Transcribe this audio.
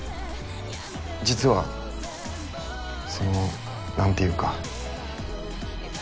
実はそのなんていうか。